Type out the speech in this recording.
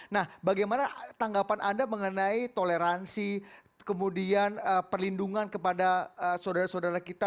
nah bagaimana tanggapan anda mengenai toleransi kemudian perlindungan kepada saudara saudara kita